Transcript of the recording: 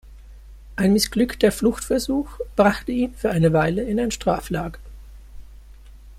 Ein missglückter Fluchtversuch brachte ihn für eine Weile in ein Straflager.